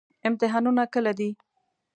امتحانونه کله دي؟